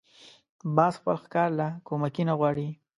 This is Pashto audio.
باز خپل ښکار له کومکي نه غواړي